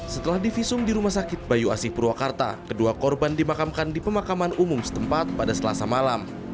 setelah divisum di rumah sakit bayu asih purwakarta kedua korban dimakamkan di pemakaman umum setempat pada selasa malam